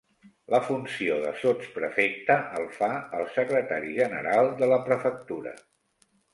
La funció de sotsprefecte el fa el secretari general de la prefectura.